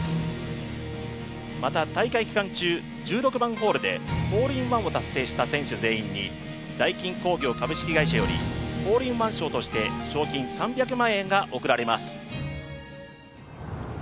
また大会期間中、１６番ホールでホールインワンを達成した選手全員にダイキン工業株式会社よりホールインワン賞として賞金３００万円が贈られます。